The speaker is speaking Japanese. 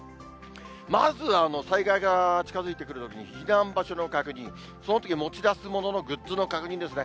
まず、災害が近づいてくるときに避難場所の確認、そのとき持ち出すもののグッズの確認ですね。